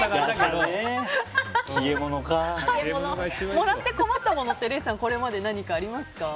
もらって困ったものって礼さん、これまでありますか。